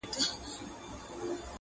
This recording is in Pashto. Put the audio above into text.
راکوه سونډي خو دومره زیاتي هم نه